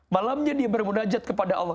malamnya dia bermunajat kepada allah